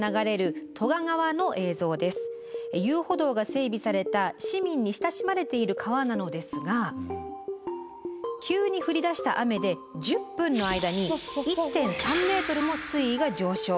遊歩道が整備された市民に親しまれている川なのですが急に降りだした雨で１０分の間に１．３ｍも水位が上昇。